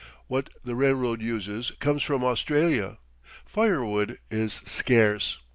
What the railroad uses comes from Australia. Firewood is scarce.